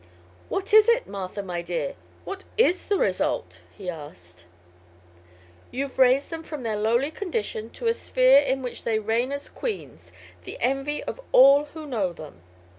"What is it, Martha, my dear? What is the result?" he asked. "You've raised them from their lowly condition to a sphere in which they reign as queens, the envy of all who know them.